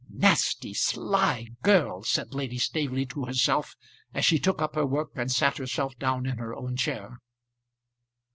"Nasty, sly girl," said Lady Staveley to herself as she took up her work and sat herself down in her own chair.